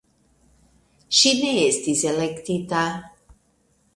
Ŝi ne estis elektita.